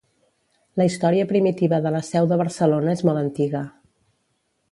La història primitiva de la seu de Barcelona és molt antiga.